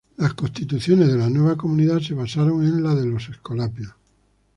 Las "Constituciones" de la nueva comunidad se basaron en las de los escolapios.